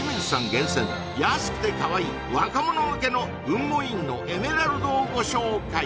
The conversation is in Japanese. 厳選安くてかわいい若者向けの雲母ｉｎのエメラルドをご紹介